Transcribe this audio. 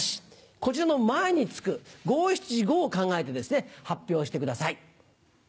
こちらの前に付く五・七・五を考えて発表してください。